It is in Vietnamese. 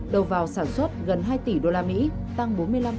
đầu vào sản xuất gần hai tỷ usd tăng bốn mươi năm